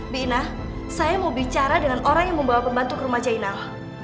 bina saya mau bicara dengan orang yang membawa pembantu ke rumah jainal